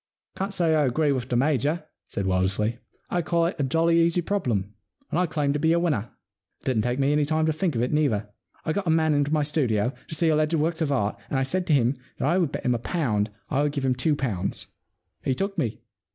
* Can't say I agree with the Major,' said Wildersley. * I call it a jolly easy problem, and I claim to be a winner. It didn't take me any time to think of it, either. I got a man into my studio, to see alleged works of art, and I said to him that I would bet him a pound I would give him two pounds. He took me.